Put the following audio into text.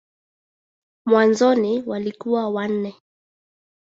Mwanzoni walikuwa wanne.